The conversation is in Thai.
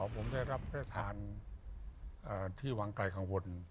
อ๋อผมได้รับพระราชทานที่วังไกลข้างบน